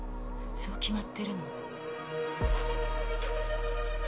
そう決まってるの。